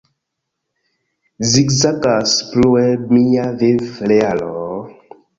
Zigzagas plue mia viv-realo...